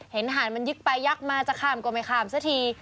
หาดมันยึกไปยักมาจะข้ามก็ไม่ข้ามสักที